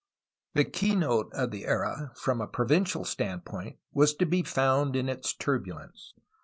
The keynote of the era from a provincial standpoint was to be found in its turbulence.